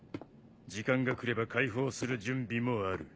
時間が来れば解放する準備もある。